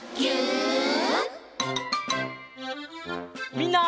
みんな。